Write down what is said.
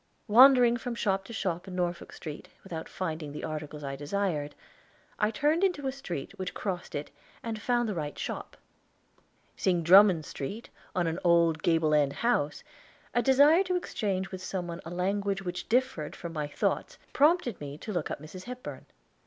Wandering from shop to shop in Norfolk Street, without finding the articles I desired, I turned into a street which crossed it, and found the right shop. Seeing Drummond Street on an old gable end house, a desire to exchange with some one a language which differed from my thoughts prompted me to look up Mrs. Hepburn.